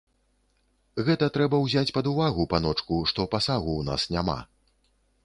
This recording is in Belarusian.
Гэта трэба ўзяць пад увагу, паночку, што пасагу ў нас няма.